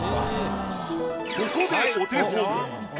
ここでお手本。